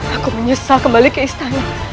aku menyesal kembali ke istana